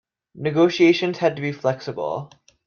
Negotiations had to be flexible.